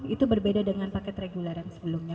itu berbeda dengan paket reguler yang sebelumnya